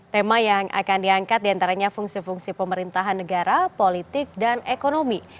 tema yang akan diangkat diantaranya fungsi fungsi pemerintahan negara politik dan ekonomi